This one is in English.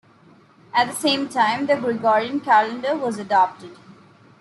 At the same time the Gregorian Calendar was adopted.